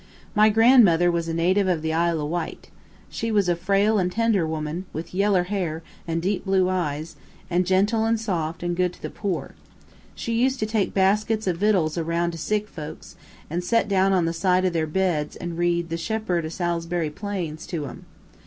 My grandmother was a native o' the Isle o' Wight. She was a frail an' tender woman, with yeller hair, and deep blue eyes, an' gentle, an' soft, an' good to the poor. She used to take baskits of vittles aroun' to sick folks, an' set down on the side o' their beds an' read "The Shepherd o' Salisbury Plains" to 'em.